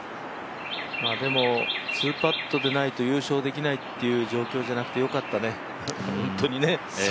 ２パットでないと優勝できないという状況じゃなくてよかったね、本当に。